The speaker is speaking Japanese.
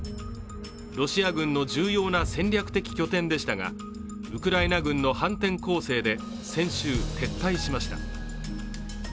ロシア軍の重要な戦略的拠点でしたが、ウクライナ軍の反転攻勢で先週、撤退しました。